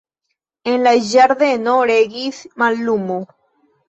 En la ĝardeno regis mallumo.